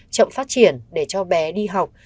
chậm phát triển để cho bé đi học